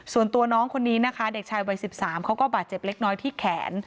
ส่วนตัวน้องคนนี้นะคะเด็กชายวัย๑๓เขาก็บาดเจ็บเล็กน้อยที่แขน